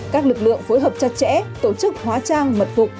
các lực lượng phối hợp chặt chẽ tổ chức hóa trang mật phục